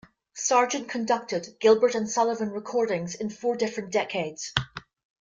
Sargent conducted Gilbert and Sullivan recordings in four different decades.